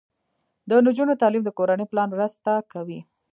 د نجونو تعلیم د کورنۍ پلان مرسته کوي.